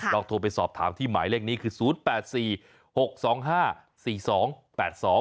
ลองโทรไปสอบถามที่หมาีเลขนี้คือ๐๘๔๖๒๕๔๒๘๒